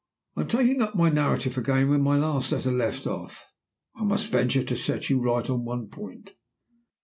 "In taking up my narrative again where my last letter left off, I must venture to set you right on one point.